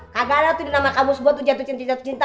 kagak ada tuh di nama kamu sebuah tuh jatuh cinta jatuh cinta